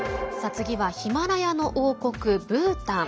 次はヒマラヤの王国、ブータン。